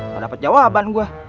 gak dapet jawaban gue